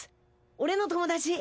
俺の友達。